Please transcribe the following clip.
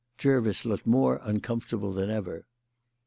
Jervis looked more uncomfortable than ever.